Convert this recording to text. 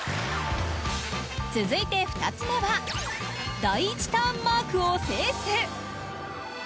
続いて２つ目は第１ターンマークを制す。